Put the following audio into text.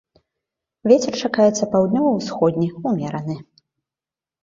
Вецер чакаецца паўднёва-ўсходні ўмераны.